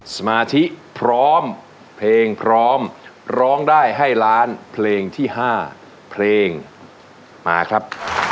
สมาธิพร้อมเพลงพร้อมร้องได้ให้ล้านเพลงที่๕เพลงมาครับ